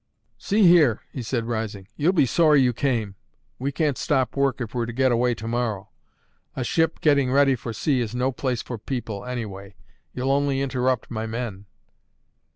"See here," he said, rising; "you'll be sorry you came. We can't stop work if we're to get away to morrow. A ship getting ready for sea is no place for people, anyway. You'll only interrupt my men."